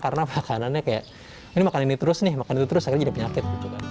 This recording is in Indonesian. karena makanan ini terus makanan itu terus akhirnya jadi penyakit